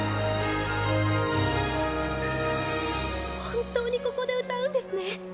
本当にここで歌うんですね。